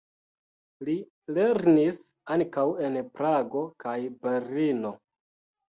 Li lernis ankaŭ en Prago kaj Berlino.